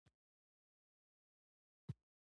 • غاښونه د خوړو د ښه ژولو وسیله ده.